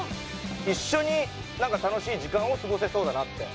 一緒になんか楽しい時間を過ごせそうだなって。